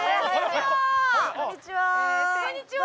こんにちは！